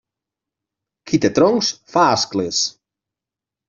Qui té troncs, fa ascles.